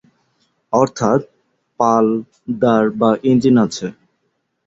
অর্থাৎ, পাল, দাঁড় বা ইঞ্জিন আছে।